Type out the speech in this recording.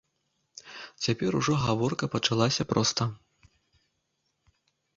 Цяпер ужо гаворка пачалася проста.